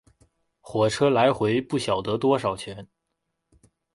火车来回不晓得多少钱